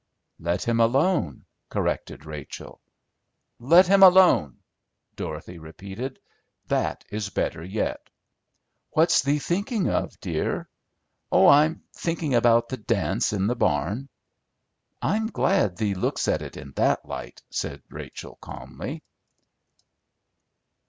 "Let him alone," corrected Rachel. "Let him alone!" Dorothy repeated. "That is better yet." "What's thee thinking of, dear?" "Oh, I'm thinking about the dance in the barn." "I'm glad thee looks at it in that light," said Rachel calmly.